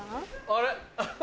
あれ？